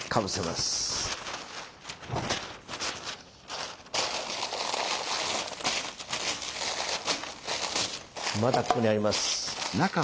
まだここにあります。